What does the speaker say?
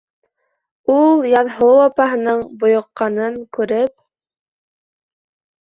Ул, Яҙһылыу апаһының бойоҡҡанын күреп: